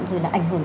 rồi là ảnh hưởng